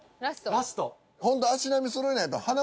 ラスト。